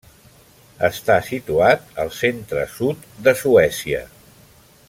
Està situat al centre-sud de Suècia.